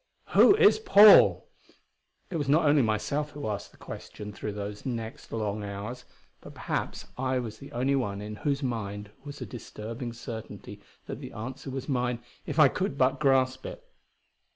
"Who is Paul?" It was not only myself who asked the question through those next long hours, but perhaps I was the only one in whose mind was a disturbing certainty that the answer was mine if I could but grasp it.